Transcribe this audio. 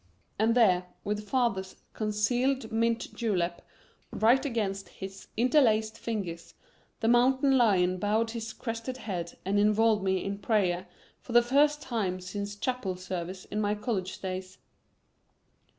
And there, with father's concealed mint julep right against his interlaced fingers, the mountain lion bowed his crested head and involved me in prayer for the first time since chapel service in my college days.